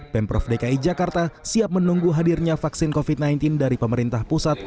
pemprov dki jakarta siap menunggu hadirnya vaksin covid sembilan belas dari pemerintah pusat